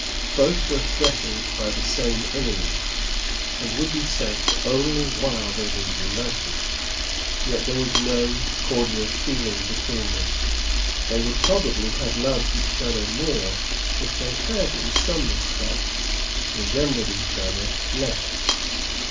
Both were threatened by the same enemy, and would be safe only while they were united. Yet there was no cordial feeling between them. They would probably have loved each other more, if they had, in some respects, resembled each other less.